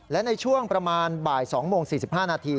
และในช่วงประมาณบ่าย๒โมง๔๕นาที